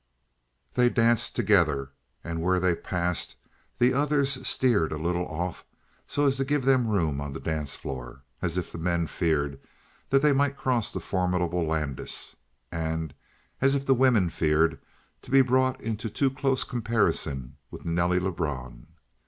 They danced together, and where they passed, the others steered a little off so as to give them room on the dance floor, as if the men feared that they might cross the formidable Landis, and as if the women feared to be brought into too close comparison with Nelly Lebrun.